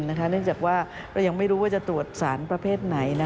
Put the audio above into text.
เนื่องจากว่าเรายังไม่รู้ว่าจะตรวจสารประเภทไหน